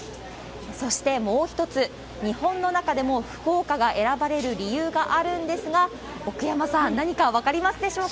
そしてもう一つ、日本の中でも福岡が選ばれる理由があるんですが、奥山さん、何か分かりますでしょうか？